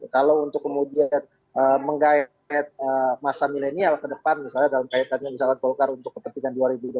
kalau untuk kemudian menggait masa milenial ke depan misalnya dalam kaitannya misalnya golkar untuk kepentingan dua ribu dua puluh